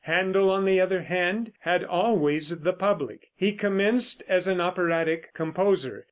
Händel, on the other hand, had always the public. He commenced as an operatic composer.